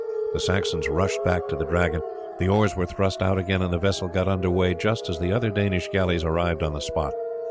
The Saxons rushed back to the Dragon; the oars were thrust out again, and the vessel got under weigh just as the other Danish galleys arrived on the spot.